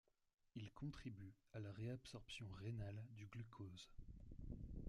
Ils contribuent à la réabsorption rénale du glucose.